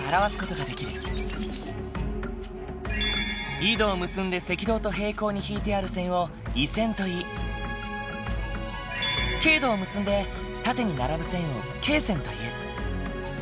緯度を結んで赤道と平行に引いてある線を緯線といい経度を結んで縦に並ぶ線を経線という。